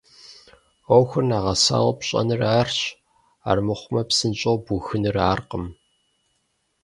Ӏуэхур нэгъэсауэ пщӀэныр арщ, армыхъумэ псынщӀэу бухыныр аркъым.